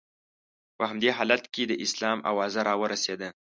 په همدې حالت کې د اسلام اوازه را ورسېده.